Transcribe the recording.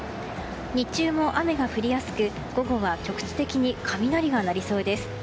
日中も雨が降りやすく午後は局地的に雷が鳴りそうです。